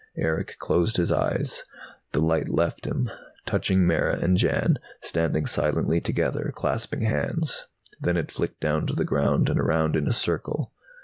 Erick closed his eyes. The light left him, touching Mara and Jan, standing silently together, clasping hands. Then it flicked down to the ground and around in a circle.